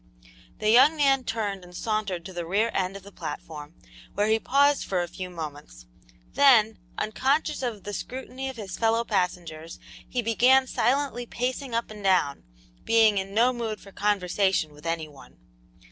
The young man turned and sauntered to the rear end of the platform, where he paused for a few moments; then, unconscious of the scrutiny of his fellow passengers, he began silently pacing up and down, being in no mood for conversation with any one.